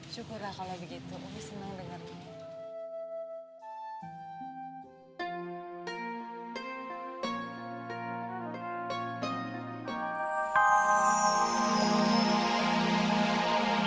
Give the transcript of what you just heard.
syukurlah kalau begitu umi senang dengar kamu